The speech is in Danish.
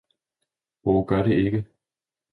Oh gør det ikke!